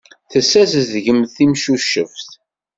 Tessazedgemt timcuceft.